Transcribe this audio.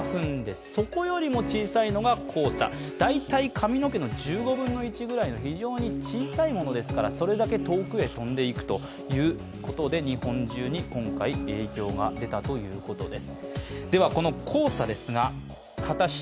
髪の毛の１５分の１ぐらいの非常に小さいものですからそれだけ遠くへ飛んでいくということで日本中に今回影響が出たということです。